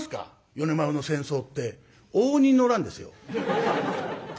米丸の戦争って応仁の乱ですよ。